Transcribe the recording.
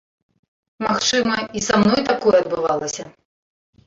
Магчыма, і са мной такое адбывалася.